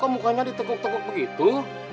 kau mukanya ditekuk tekuk begitu